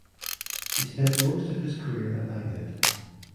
He spent most of his career at Ined.